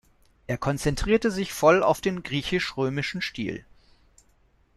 Er konzentrierte sich voll auf den griechisch-römischen Stil.